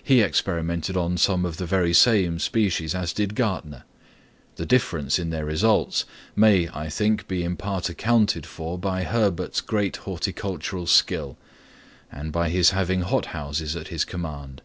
He experimented on some of the very same species as did Gärtner. The difference in their results may, I think, be in part accounted for by Herbert's great horticultural skill, and by his having hot houses at his command.